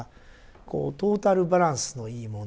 こうトータルバランスのいいもの。